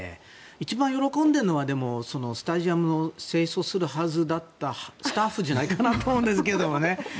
一番喜んでいるのはスタジアムを清掃するはずだったスタッフじゃないかと思うんですけどね。